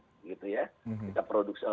yang kita bukankan produksi dulu